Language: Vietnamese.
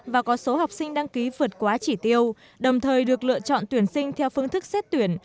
và có số học sinh đăng ký vượt quá chỉ tiêu đồng thời được lựa chọn tuyển sinh theo phương thức xét tuyển